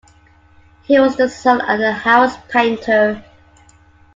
He was the son of a house painter.